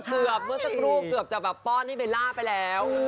เมื่อสักครู่เกือบจะแบบป้อนให้เบลล่าไปแล้ว